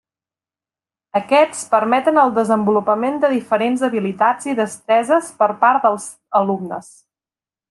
Aquests permeten el desenvolupament de diferents habilitats i destreses per part dels alumnes.